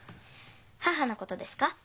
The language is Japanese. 母のことですか？